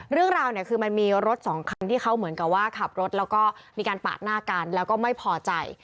เรื่องราวเนี่ยคือมันมีรถสองคันที่เขาเหมือนกับว่าขับรถแล้วก็มีการปาดหน้ากันแล้วก็ไม่พอใจ